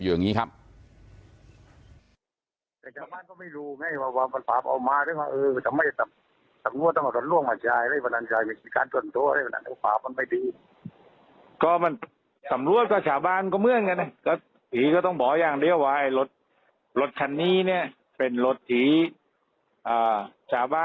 อย่างนี้ครับ